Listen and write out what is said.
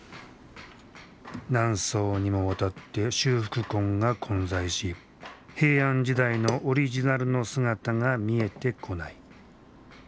何層にもわたって修復痕が混在し平安時代のオリジナルの姿が見えてこない。